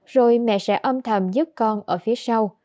rồi mẹ sẽ âm thầm giúp con ở phía sau